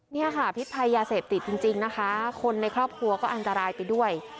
นี่ค่ะพิษภัยยาเสพติดจริงนะคะคนในครอบครัวก็อันตรายไปด้วย